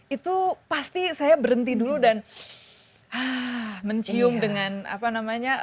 itu pasti saya berhenti dulu dan mencium dengan apa namanya